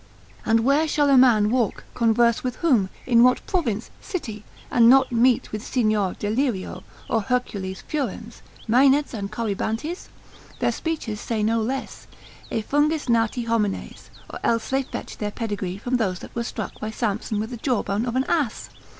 And where shall a man walk, converse with whom, in what province, city, and not meet with Signior Deliro, or Hercules Furens, Maenads, and Corybantes? Their speeches say no less. E fungis nati homines, or else they fetched their pedigree from those that were struck by Samson with the jaw bone of an ass.